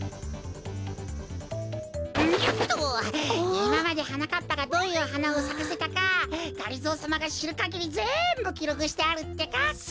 いままではなかっぱがどういうはなをさかせたかがりぞーさまがしるかぎりぜんぶきろくしてあるってか！